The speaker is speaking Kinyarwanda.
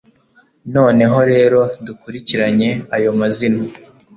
noneho rero dukurikiranye ayo mazina